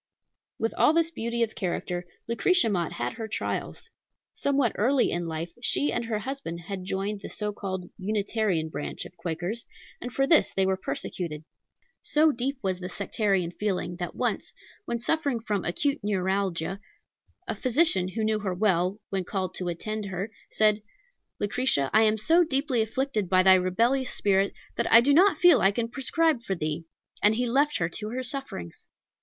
With all this beauty of character, Lucretia Mott had her trials. Somewhat early in life she and her husband had joined the so called Unitarian branch of Quakers, and for this they were persecuted. So deep was the sectarian feeling, that once, when suffering from acute neuralgia, a physician who knew her well, when called to attend her, said, "Lucretia, I am so deeply afflicted by thy rebellious spirit, that I do not feel that I can prescribe for thee," and he left her to her sufferings.